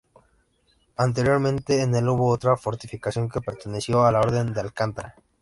Anteriormente en el hubo otra fortificación que perteneció a la orden de Alcántara.